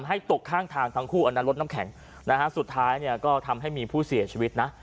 อันนั้นรถน้ำแข็งสุดท้ายก็ทำให้มีผู้เสียชีวิตนะ